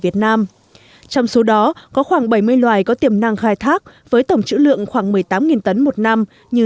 việt nam trong số đó có khoảng bảy mươi loài có tiềm năng khai thác với tổng chữ lượng khoảng một mươi tám tấn một năm như